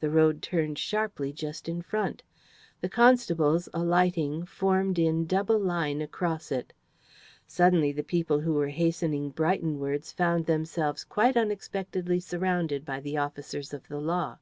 The road turned sharply just in front. The constables, alighting, formed in double line across it. Suddenly the people who were hastening Brightonwards found themselves quite unexpectedly surrounded by the officers of the law.